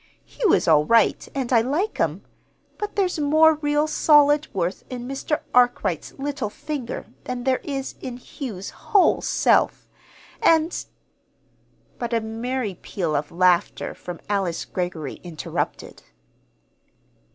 Hugh is all right, and I like him; but there's more real solid worth in Mr. Arkwright's little finger than there is in Hugh's whole self. And " But a merry peal of laughter from Alice Greggory interrupted.